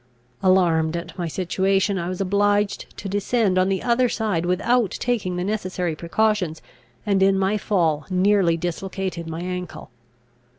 Alarmed at my situation, I was obliged to descend on the other side without taking the necessary precautions, and in my fall nearly dislocated my ankle.